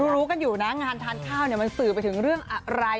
รู้กันอยู่นะงานทานข้าวมันสื่อไปถึงเรื่องอะไร